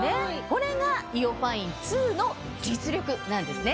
これがＩＯファイン２の実力なんですね。